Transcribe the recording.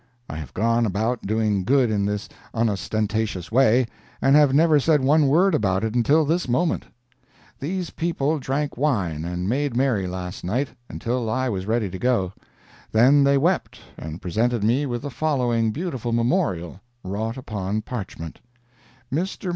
I have gone about doing good in this unostentatious way, and have never said one word about it until this moment. These people drank wine and made merry, last night, until I was ready to go; then they wept, and presented me with the following beautiful memorial, wrought upon parchment: MR.